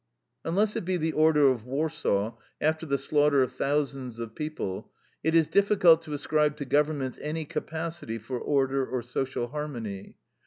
Unless it be the order of Warsaw after the slaughter of thousands of people, it is difficult to ascribe to governments any capacity for order or social harmony.